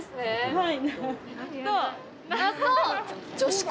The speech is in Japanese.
はい。